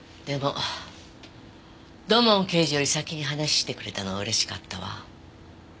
でも土門刑事より先に話してくれたのは嬉しかったわ。